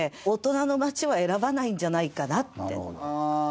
大人の街は選ばないんじゃないかなって。